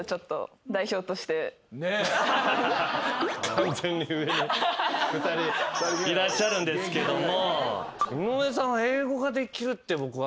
完全に上２人いらっしゃるんですけども。